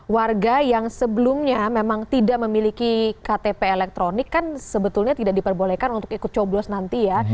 warga yang sebelumnya memang tidak memiliki ktp elektronik kan sebetulnya tidak diperbolehkan untuk ikut coblos nanti ya